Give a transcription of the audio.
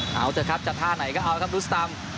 เอาเถอะครับจะท่าไหนก็เอาครับดูสตาม